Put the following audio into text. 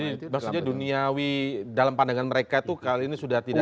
jadi maksudnya duniawi dalam pandangan mereka itu kali ini sudah tidak